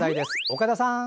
岡田さん。